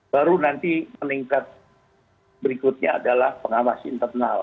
baru nanti meningkat berikutnya adalah pengawas internal